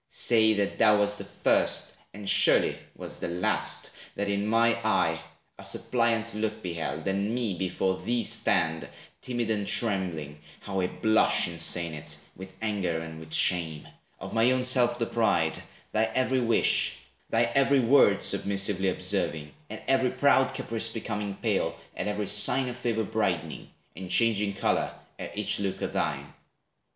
Say, that thou wast the first— And surely wast the last—that in my eye A suppliant look beheld, and me before Thee stand, timid and trembling (how I blush, In saying it, with anger and with shame), Of my own self deprived, thy every wish, Thy every word submissively observing, At every proud caprice becoming pale, At every sign of favor brightening, And changing color at each look of thine.